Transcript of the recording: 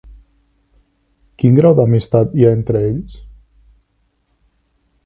Quin grau d'amistat hi ha entre ells?